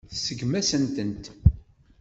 Tseggem-asen-tent.